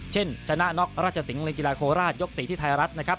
ชนะน็อกราชสิงห์ในกีฬาโคราชยก๔ที่ไทยรัฐนะครับ